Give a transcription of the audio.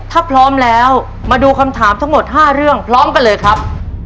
ถ้าพร้อมแล้วมาดูคำถามทั้งหมด๕เรื่องพร้อมกันเลยครับ